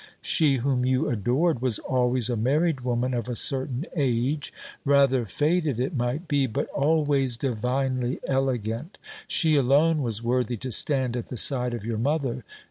She whom you adored was always a married woman of a certain age; rather faded, it might be, but always divinely elegant. She alone was worthy to stand at the side of your mother.